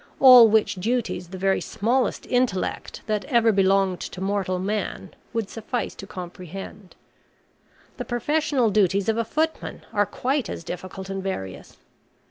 all which duties the very smallest intellect that ever belonged to mortal man would suffice to comprehend. The professional duties of a footman are quite as difficult and various.